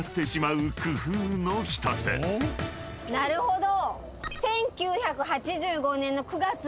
なるほど！